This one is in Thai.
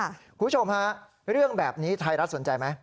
คุณผู้ชมฮะเรื่องแบบนี้ไทยรัฐสนใจไหม